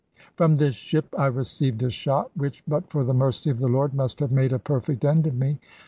From this ship I received a shot, which, but for the mercy of the Lord, must have made a perfect end of me.